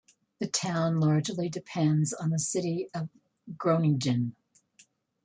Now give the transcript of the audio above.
The town largely depends on the city of Groningen.